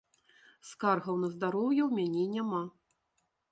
Скаргаў на здароўе у мяне няма.